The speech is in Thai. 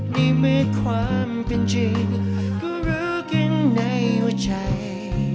นี่แม้ความเป็นจริงก็รักกันในหัวใจ